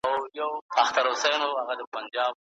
د سياسي قدرت لاسته راوړل ولي اړين دي؟